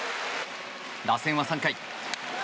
打線は３回。